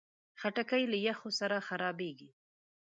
خټکی له یخو سره خرابېږي.